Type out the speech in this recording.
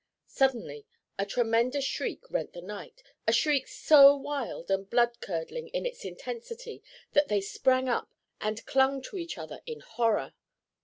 Suddenly a tremendous shriek rent the night, a shriek so wild and blood curdling in its intensity that they sprang up and clung to each other in horror.